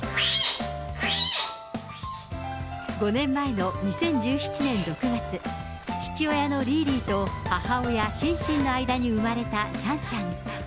５年前の２０１７年６月、父親のリーリーと母親、シンシンの間に生まれたシャンシャン。